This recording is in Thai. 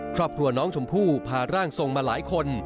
ครอบครัวน้องชมพู่พาร่างทรงมาหลายคน